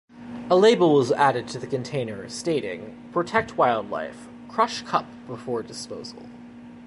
A label was added to the container stating: Protect Wildlife: Crush Cup Before Disposal.